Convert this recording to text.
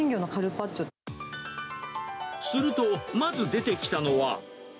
すると、まず出てきたのは。